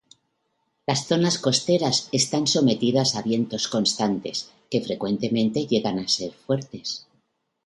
Las zonas costeras están sometidas a vientos constantes, que frecuentemente llegan a ser fuertes.